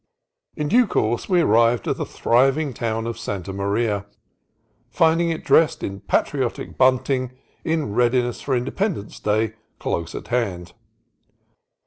In due course we arrived in the thriving town of Santa Maria, finding it dressed in patriotic bunting in readiness for Independence Day, close at hand.